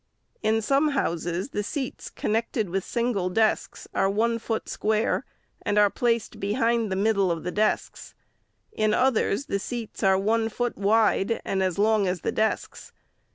In some houses, the seats con nected with single desks are one foot square, and are placed behind the middle of the desks ; in others the seats are one foot wide and as long as the desks.